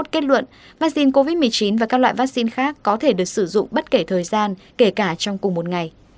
kết luận vaccine covid một mươi chín và các loại vaccine khác có thể được sử dụng bất kể thời gian kể cả trong cùng một ngày